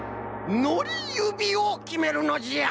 のりゆびをきめるのじゃ！